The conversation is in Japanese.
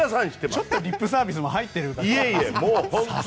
ちょっとリップサービスも入っているかと。